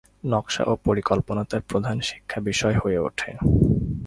নকশা ও পরিকল্পনা তাঁর প্রধান শিক্ষা বিষয় হয়ে ওঠে।